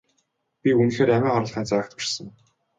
Би үнэхээр амиа хорлохын заагт хүрсэн.